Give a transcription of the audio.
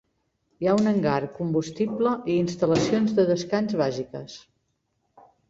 Hi ha un hangar, combustible i instal·lacions de descans bàsiques.